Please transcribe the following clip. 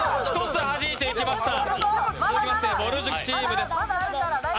１つ、はじいていきました！